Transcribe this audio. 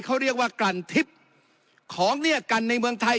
เขาเรียกว่ากันทิศของเนี้ยกันในเมืองไทย